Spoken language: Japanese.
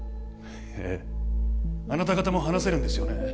ええあなた方も話せるんですよね？